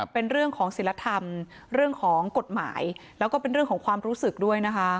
เป็นเรื่องของศิลธรรมเรื่องของกฎหมายแล้วก็เป็นเรื่องของความรู้สึกด้วยนะคะ